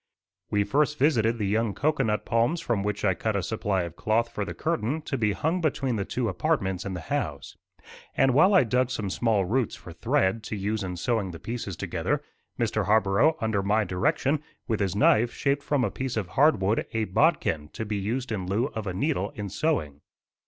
* We first visited the young cocoanut palms from which I cut a supply of cloth for the curtain, to be hung between the two apartments in the house; and while I dug some small roots for thread, to use in sewing the pieces together, Mr. Harborough, under my direction, with his knife shaped from a piece of hard wood, a bodkin, to be used in lieu of a needle in sewing.